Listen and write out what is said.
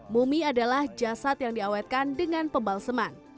mumi adalah jasad yang diawetkan dengan pembalseman